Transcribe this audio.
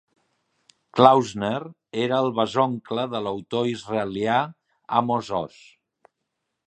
Klausner era el besoncle de l'autor israelià Amos Oz.